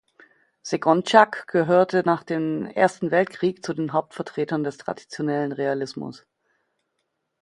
Segonzac gehörte nach dem Ersten Weltkrieg zu den Hauptvertretern des traditionellen Realismus.